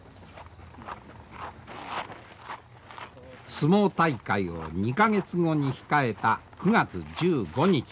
相撲大会を２か月後に控えた９月１５日。